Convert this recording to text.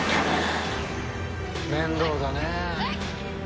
面倒だねえ。